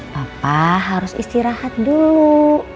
papa harus istirahat dulu